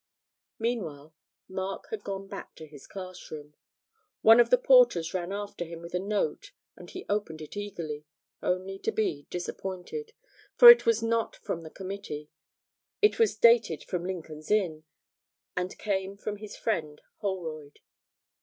Meanwhile Mark had gone back to his class room. One of the porters ran after him with a note, and he opened it eagerly, only to be disappointed, for it was not from the committee. It was dated from Lincoln's Inn, and came from his friend Holroyd.